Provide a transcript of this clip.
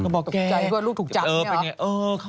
ตกใจว่าลูกถูกจับเนี่ยเหรอ